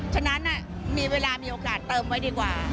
ฉะนั้นมีเวลามีโอกาสเติมไว้ดีกว่า